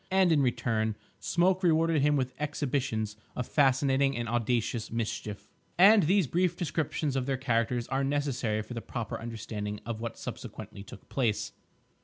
And, in return, Smoke rewarded him with exhibitions of fascinating and audacious mischief. And these brief descriptions of their characters are necessary for the proper understanding of what subsequently took place.